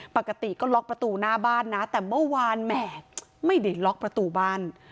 ปกติก็ล็อกประตูหน้าบ้านนะแต่เมื่อวานแหมไม่ได้ล็อกประตูบ้าน